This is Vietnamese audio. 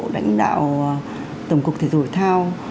lãnh đạo tổng cục thể rủi thao